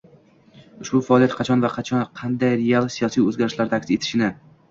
Ushbu faoliyat qachon va qanday real siyosiy o‘zgarishlarda aks etishini